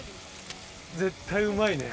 絶対うまいね。